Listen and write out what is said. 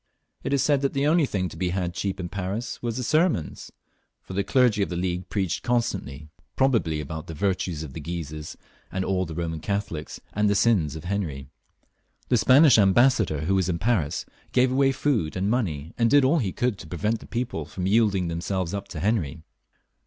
It is said that the only thing to be had cheap in Paris was sermons, for the clergy of the League preached constantly, probably about the virtues of the Guises and aU the Eoman Catholics, and the sins of Henry. The Spanish Ambassador, who was in Paris, gave away food and money, and did all he could to prevent the people from yielding themselves up to Henry.